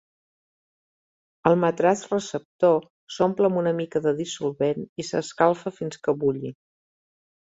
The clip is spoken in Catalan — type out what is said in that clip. El matràs receptor s'omple amb una mica de dissolvent i s'escalfa fins que bulli.